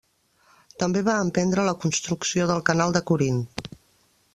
També va emprendre la construcció del Canal de Corint.